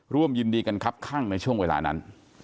ร่วมยินดีกันครับข้างในช่วงเวลานั้น